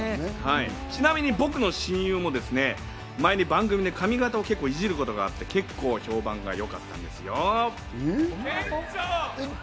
ちなみに僕の親友も前に番組で髪形を結構イジることがあって、結構評判がよかったんですよ。